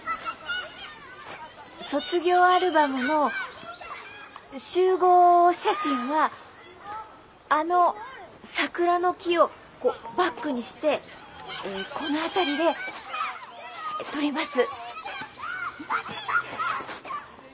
卒業アルバムの集合写真はあの桜の木をバックにしてこの辺りで撮ります。